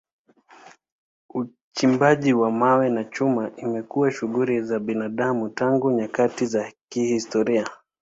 Uchimbaji wa mawe na chuma imekuwa shughuli za binadamu tangu nyakati za kihistoria.